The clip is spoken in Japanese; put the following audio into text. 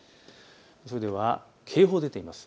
それでは警報が出ています。